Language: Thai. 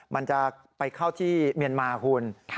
มันจะไปเข้าที่เมียนมาคุณ